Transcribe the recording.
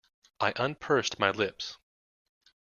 I unpursed my lips.